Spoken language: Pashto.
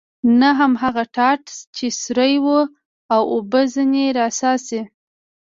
نه هم هغه ټاټ چې سوری و او اوبه ځنې را څاڅي.